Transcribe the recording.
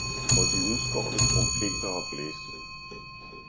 Og de udskårne trompetere blæste.